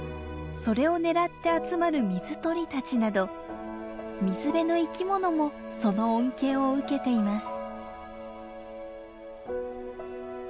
それを狙って集まる水鳥たちなど水辺の生き物もその恩恵を受けています。